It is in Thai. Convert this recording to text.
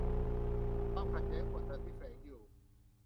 ความขัดแย้งกดดันที่แฝงอยู่